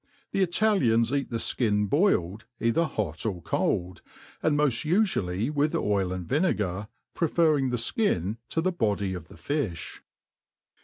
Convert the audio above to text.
The Italians eat the ftin boiled, either hot or coW,^ 9tid moft uftially with oil and viaegar, preferring the ikin to th« body of (he fi(h.